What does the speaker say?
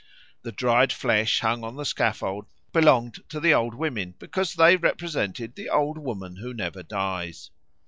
The dried flesh hung on the scaffold belonged to the old women, because they represented the Old Woman who Never Dies.